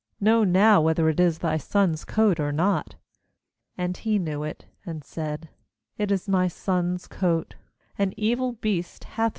Know now whether it is thy son's coat or not.' S3And he knew it, and said: 'It is my son's coat; an evil beast hath GENESIS 38.